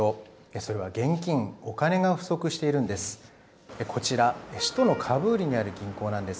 それは現金お金が不足しているんです。